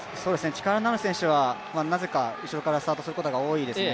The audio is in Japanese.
力のある選手はなぜか後ろからスタートする選手が多いですね。